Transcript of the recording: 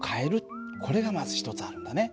これがまず１つあるんだね。